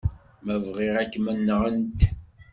Ma bɣiɣ, ad kem-nɣent.